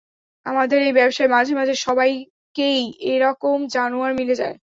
আমাদের এই ব্যবসায় মাঝে মাঝে সবাইকেই এরকম জানোয়ার মিলে যায়।